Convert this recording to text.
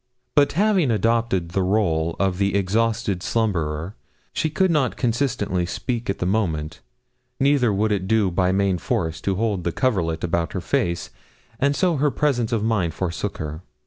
But having adopted the rôle of the exhausted slumberer, she could not consistently speak at the moment; neither would it do by main force, to hold the coverlet about her face, and so her presence of mind forsook her.